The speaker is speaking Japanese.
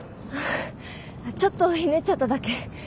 うんちょっとひねっちゃっただけ。